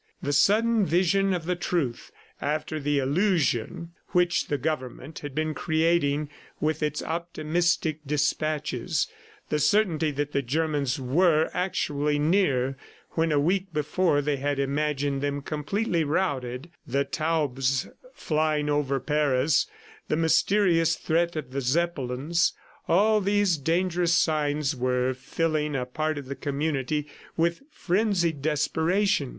The sudden vision of the truth after the illusion which the Government had been creating with its optimistic dispatches, the certainty that the Germans were actually near when a week before they had imagined them completely routed, the taubes flying over Paris, the mysterious threat of the Zeppelins all these dangerous signs were filling a part of the community with frenzied desperation.